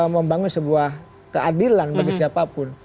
membangun sebuah keadilan bagi siapapun